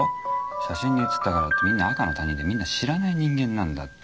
写真に写ったからってみんな赤の他人でみんな知らない人間なんだって。